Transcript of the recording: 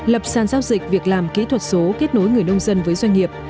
lập sàn giao dịch việc làm kỹ thuật số kết nối người nông dân với doanh nghiệp